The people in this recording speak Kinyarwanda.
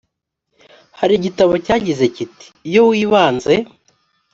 hari igitabo cyagize kiti iyo wibanze